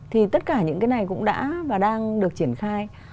thì tất cả những cái này cũng đã và đang được triển khai